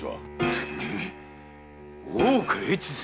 てめえ大岡越前！